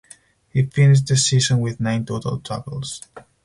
He finished the season with nine total tackles.